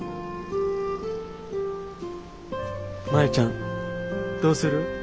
マヤちゃんどうする？